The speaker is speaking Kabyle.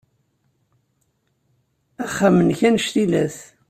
Axxam-nnek anect ila-t.